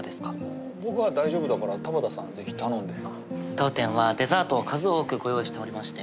当店はデザートを数多くご用意しておりまして。